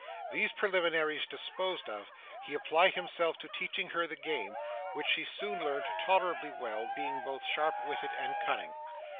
These preliminaries disposed of, he applied himself to teaching her the game, which she soon learnt tolerably well, being both sharp witted and cunning.